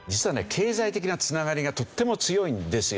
経済的な繋がりがとっても強いんですよ。